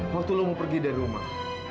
waktu lo mau pergi dari rumah